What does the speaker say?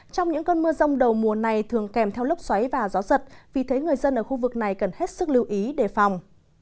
trong những cơn mưa rông đầu mùa này thường kèm theo lốc xoáy và gió giật vì thế người dân ở khu vực này cần hết sức lưu ý đề phòng